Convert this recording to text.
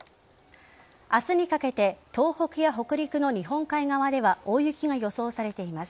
明日にかけて東北や北陸の日本海側では大雪が予想されています。